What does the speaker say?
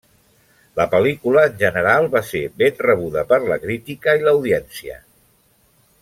La pel·lícula en general va ser ben rebuda per la crítica i l'audiència.